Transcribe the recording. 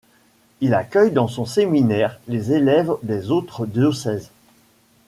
Il accueille dans son séminaire les élèves des autres diocèses.